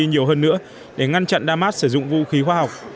nhiều hơn nữa để ngăn chặn damas sử dụng vũ khí hóa học